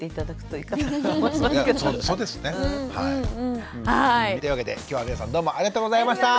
というわけで今日は皆さんどうもありがとうございました！